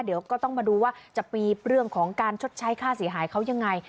เดี๋ยวก็ต้องมาดูว่าจะปีบเรื่องของการชดใช้ค่าเสียหายเขายังไง